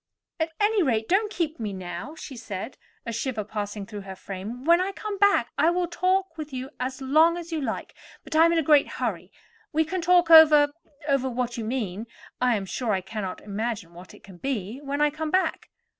"At any rate, don't keep me now," she said, a shiver passing through her frame. "When I come back I will talk with you as long as you like; but I am in a great hurry. We can talk over—over what you mean (I am sure I cannot imagine what it can be) when I come back."